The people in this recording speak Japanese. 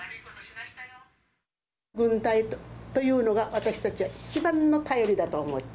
軍隊というのが、私たちは、一番の頼りだと思った。